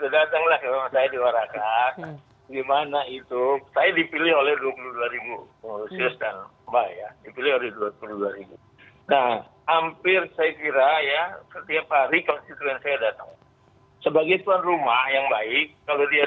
jangan kemana mana tetap bersama kami di cnn indonesian newsroom